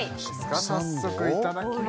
早速いただきます